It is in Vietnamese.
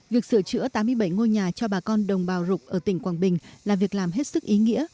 việc sửa chữa tám mươi bảy ngôi nhà cho bà con đồng bào rục ở tỉnh quảng bình là việc làm hết sức ý nghĩa